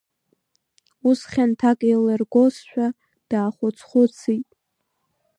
Ус хьанҭак еилиргозшәа, даахәыц-хәыцит.